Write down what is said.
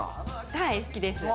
はい、好きです。